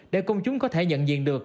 để công chúng có thể nhận diện được